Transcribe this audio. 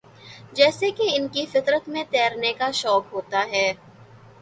جیسے کہ ان کی فطر ت میں تیرنے کا شوق ہوتا ہے